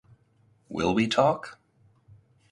Will We Talk?